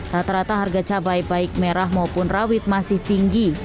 rata rata harga cabai baik merah maupun rawit masih tinggi